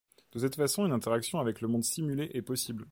De cette façon une interaction avec le monde simulé est possible.